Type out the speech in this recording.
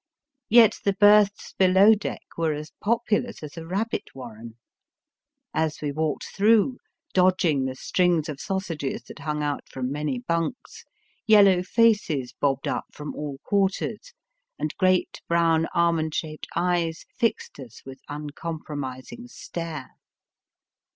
Yet the berths below deck were as populous as a rabbit warren. As we walked through, dodging the strings of sausages that hung out from many bunks, yellow faces bobbed up from all quarters, and great brown, almond shaped eyes fixed us with uncompromising stare.